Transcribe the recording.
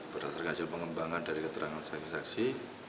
berdasarkan hasil pengembangan dari keterangan saksi saksi